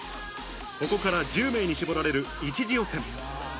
ここから１０名に絞られる、１次予選。